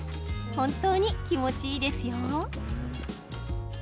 本当に気持ちいいですよ。